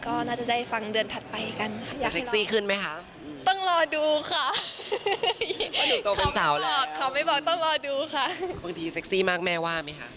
ก็น่าจะได้ฟังเดือนถัดไปกันค่ะ